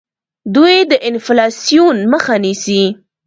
دوی د انفلاسیون مخه نیسي.